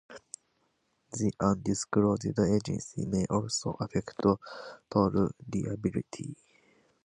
The undisclosed agency may also affect tort liability.